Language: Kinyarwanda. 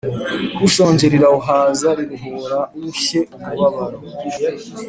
ushonje rirawuhaza riruhura ushye umubabaro